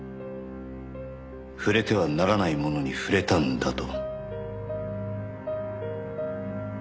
「触れてはならないものに触れたんだ」と。